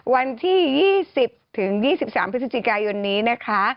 วันที่๒๐๒๓พฤศจิกายนนะคะ